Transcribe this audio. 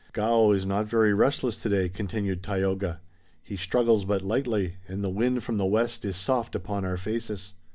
"Gaoh is not very restless today," continued Tayoga. "He struggles but lightly, and the wind from the west is soft upon our faces."